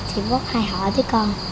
thì bác hay hỏi tới con